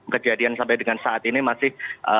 kejadian sampai dengan saat ini masih